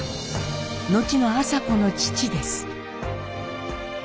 後の麻子の父です。